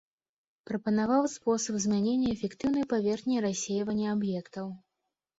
Прапанаваў спосаб змянення эфектыўнай паверхні рассейвання аб'ектаў.